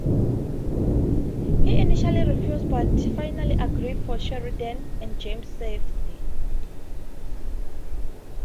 He initially refused, but finally agreed, for Sheridan and James' safety.